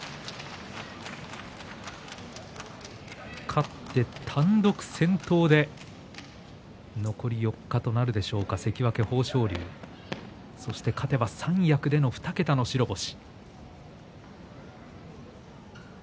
勝って単独先頭で残り４日となるでしょうか関脇豊昇龍そして、勝てば三役での２桁の白星。